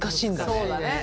そうだね。